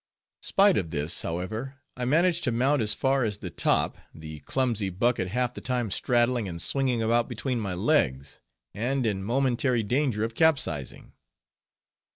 Spite of this, however, I managed to mount as far as the "top," the clumsy bucket half the time straddling and swinging about between my legs, and in momentary danger of capsizing.